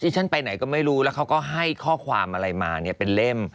ฉันไปไหนก็ไม่รู้แล้วเขาก็ให้ข้อความอะไรมาเนี่ยเป็นเล่ม